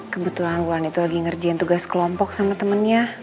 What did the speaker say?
kebetulan bulan itu lagi ngerjain tugas kelompok sama temennya